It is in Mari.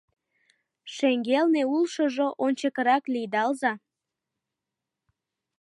Шеҥгелне улшыжо, ончыкырак лийдалза